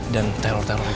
dan teror teror itu ya